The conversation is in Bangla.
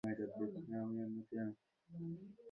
তোমার মতো একজনেরই অপেক্ষায় ছিলাম।